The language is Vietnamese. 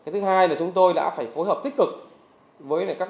thứ hai là chúng tôi đã phải phối hợp tích cực